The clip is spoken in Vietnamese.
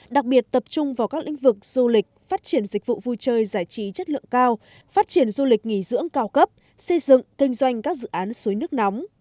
đặc biệt tập trung vào các lĩnh vực du lịch phát triển dịch vụ vui chơi giải trí chất lượng cao phát triển du lịch nghỉ dưỡng cao cấp xây dựng kinh doanh các dự án suối nước nóng